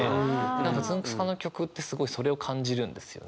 何かつんく♂さんの曲ってすごいそれを感じるんですよね。